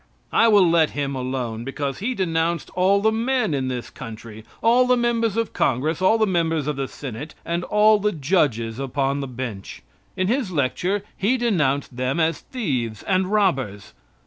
I will let him alone because he denounced all the men in this country, all the members of Congress, all the members of the Senate, and all the judges upon the Bench; in his lecture he denounced them as thieves and robbers.